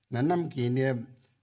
là năm kỷ niệm